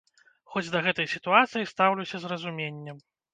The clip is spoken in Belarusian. Хоць да гэтай сітуацыі стаўлюся з разуменнем.